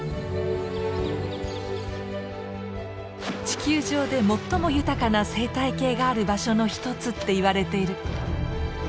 地球上で最も豊かな生態系がある場所の一つっていわれている。